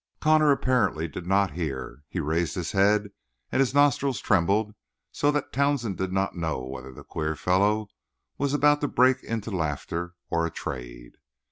Connor apparently did not hear. He had raised his head and his nostrils trembled, so that Townsend did not know whether the queer fellow was about to break into laughter or a trade.